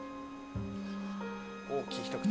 大きい一口。